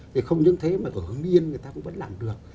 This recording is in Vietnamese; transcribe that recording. thì không những thế mà ở hưng yên người ta cũng vẫn làm được